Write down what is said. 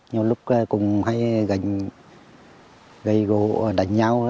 nhiều lúc cũng hay gây gỗ đánh nhau